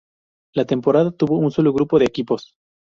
La temporada tuvo un solo grupo de equipos.